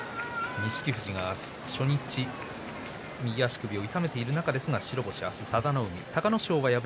錦富士が初日、右足首を痛めている中ですが白星でした。